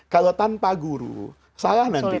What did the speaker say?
kalau tanpa guru salah nanti